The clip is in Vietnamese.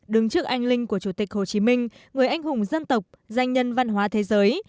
đứng trước anh linh của chủ tịch hồ chí minh người anh hùng dân tộc danh nhân văn hóa thế giới